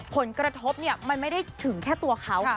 ส่วนกระทบเนี่ยมันไม่ได้ถึงแค่ตัวเขา